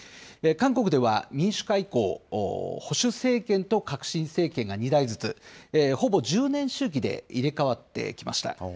韓国では民主化以降、保守政権と革新政権が２大ずつ、ほぼ１０年周期で入れ代わってきました。